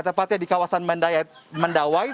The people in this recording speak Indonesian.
tepatnya di kawasan mendawai